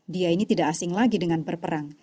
dia ini tidak asing lagi dengan berperang